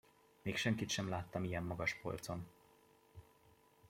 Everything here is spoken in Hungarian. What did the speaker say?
Még senkit sem láttam ilyen magas polcon!